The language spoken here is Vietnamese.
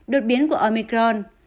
đột biến của omicron